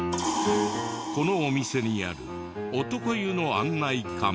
このお店にある男湯の案内看板。